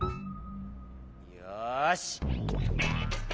よし。